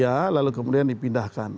ya lalu kemudian dipindahkan